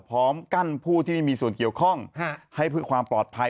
พร้อมกั้นผู้ที่ไม่มีส่วนเกี่ยวข้องให้เพื่อความปลอดภัย